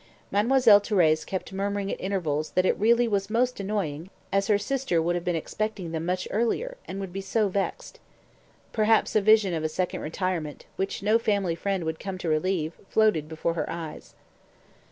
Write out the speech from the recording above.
Mademoiselle Thérèse kept murmuring at intervals that it really was most annoying, as her sister would have been expecting them much earlier, and would be so vexed. Perhaps visions of a second retirement, which no "family friend" would come to relieve, floated before her eyes.